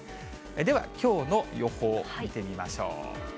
では、きょうの予報見てみましょう。